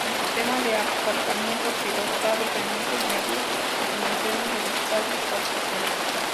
El sistema de aparcamiento pilotado permite medir las dimensiones de los espacios para estacionar.